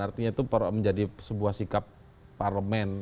artinya itu menjadi sebuah sikap parlemen